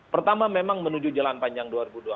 pertama memang menuju jalan panjang dua ribu dua puluh empat